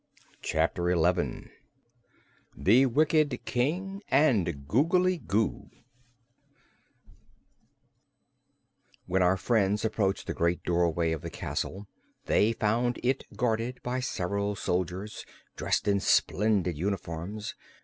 Chapter Eleven The Wicked King and Googly Goo When our friends approached the great doorway of the castle they found it guarded by several soldiers dressed in splendid uniforms.